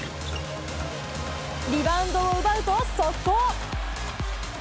リバウンドを奪うと速攻。